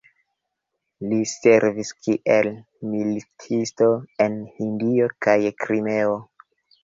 Li servis kiel militisto en Hindio kaj Krimeo.